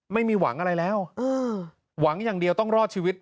ไม่มีหวังอะไรแล้วหวังอย่างเดียวต้องรอดชีวิต